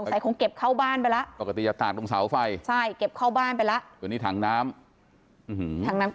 ใส่คงเก็บเข้าบ้านไปแล้วปกติจะตากตรงเสาไฟใช่เก็บเข้าบ้านไปแล้วตัวนี้ถังน้ำถังน้ำ